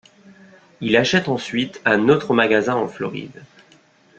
Il achète ensuite un autre magasin en Floride.